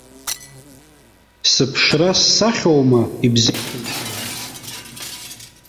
Сыԥшра-ссахьоума ибзышьҭымкааз?